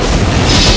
mereka menjadi seni